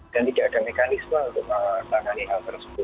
dan tidak ada mekanisme untuk melangani hal tersebut